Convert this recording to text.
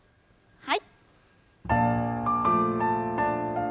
はい。